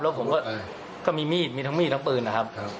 แล้วผมก็มีมีดมีทั้งมีดทั้งปืนนะครับ